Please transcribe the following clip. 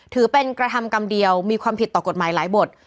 ถือเป็นกระทำกรรมเดียวมีความผิดต่อกฎหมายหลายบท